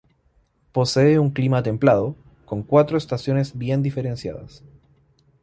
Posee un clima templado, con cuatro estaciones bien diferenciadas.